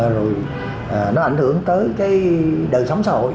rồi nó ảnh hưởng tới đời sống xã hội